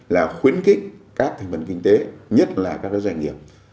là khuyến khích các thịnh vận kinh tế nhất là các doanh nghiệp